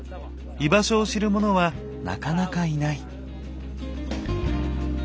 居場所を知る者はなかなかいない。